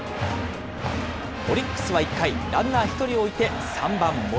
オリックスは１回、ランナー１人を置いて、３番森。